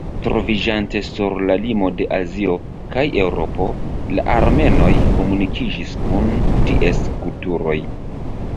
Troviĝante sur la limo de Azio kaj Eŭropo, la armenoj komunikiĝis kun ties kulturoj.